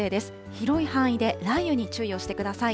広い範囲で雷雨に注意をしてください。